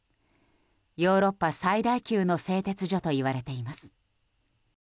ヨーロッパ最大級の製鉄所といわれています。